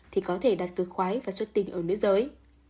thì có thể đặt cực khoái và xuất tinh ở nước giới